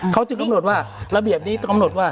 เขาจึงกำหนดว่าระเบียบนี้กำหนดว่า